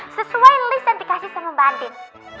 sesuai list yang dikasih sama mbak andien